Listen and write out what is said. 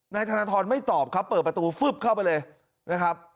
นายธนทรไม่ตอบครับเปิดประตูฟึบเข้าไปเลยนะครับ